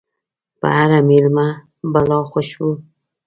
په هر ميلمه بلا خوشبو